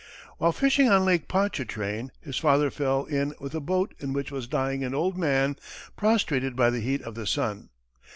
While fishing on Lake Pontchartrain, his father fell in with a boat in which was lying an old man prostrated by the heat of the sun.